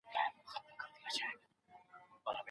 د تولیدي ځواکونو ساتل د هرچا ملي دنده ده.